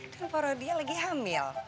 dan poro dia lagi hamil